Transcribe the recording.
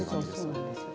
そうなんですよ。